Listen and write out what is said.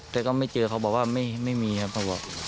แต่ก็ไม่เจอเขาบอกว่าไม่มีครับเขาบอก